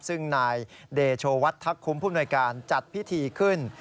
ซึ่งนายเดชวัดทักคุมภูมิหน่วยการจัดพิธีขึ้น